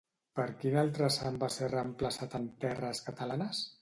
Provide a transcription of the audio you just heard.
Per quin altre sant va ser reemplaçat en terres catalanes?